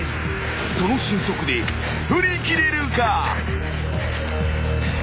［その俊足で振り切れるか？］